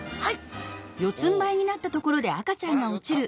はい。